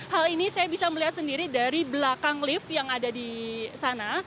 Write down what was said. hal ini saya bisa melihat sendiri dari belakang lift yang ada di sana